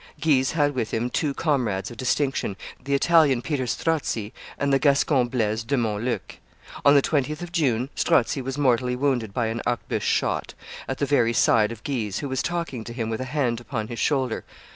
Guise had with him two comrades of distinction, the Italian Peter Strozzi, and the Gascon Blaise do Montluc. On the 20th of June Strozzi was mortally wounded by an arquebuse shot, at the very side of Guise, who was talking to him with a hand upon his shoulder.